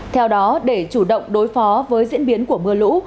theo đó để chủ động đối phó với diễn biến của mưa lũ